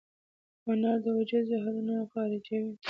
انار د وجود زهرونه خارجوي.